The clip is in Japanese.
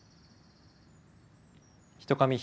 ひとかみ